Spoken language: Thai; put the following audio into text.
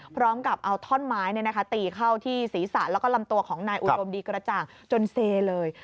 พร้อมกับเอาท่อนไม้ตีเข้าที่ศีรษะแล้วก็ลำตัวของนายอุดมดีกระจ่างจนเซเลย